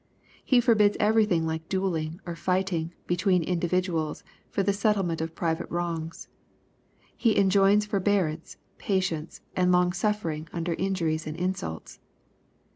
He forbids everything like duelling, or fighting, between individu als, for the settlement of private wrongs. He (injoins forbearance, patience, and long sufiering under injuries and insults.